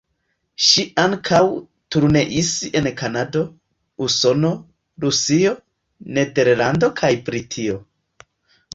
Ŝi ankaŭ turneis en Kanado, Usono, Rusio, Nederlando kaj Britio.